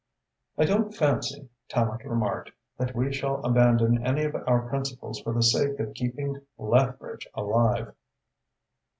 "I don't fancy," Tallente remarked, "that we shall abandon any of our principles for the sake of keeping Lethbridge alive."